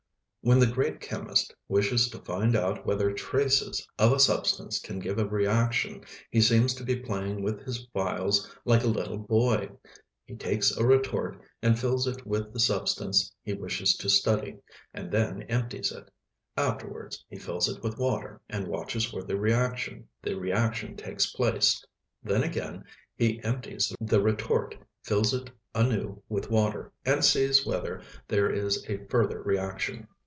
When the great chemist wishes to find out whether traces of a substance can give a reaction he seems to be playing with his phials like a little boy; he takes a retort and fills it with the substance he wishes to study, and then empties it; afterwards he fills it with water, and watches for the reaction; the reaction takes place; then again he empties the retort, fills it anew with water, and sees whether there is a further reaction.